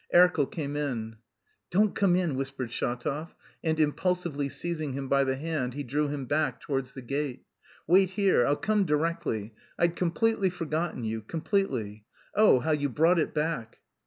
Erkel came in. "Don't come in," whispered Shatov, and impulsively seizing him by the hand he drew him back towards the gate. "Wait here, I'll come directly, I'd completely forgotten you, completely! Oh, how you brought it back!"